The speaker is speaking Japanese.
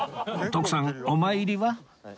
徳さんお参りは？